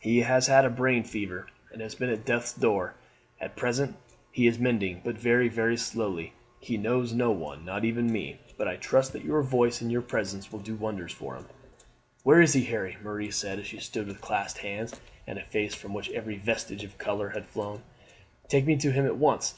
He has had brain fever, and has been at death's door. At present he is mending, but very, very slowly. He knows no one, not even me, but I trust that your voice and your presence will do wonders for him." "Where is he, Harry?" Marie said as she stood with clasped hands, and a face from which every vestige of colour had flown. "Take me to him at once."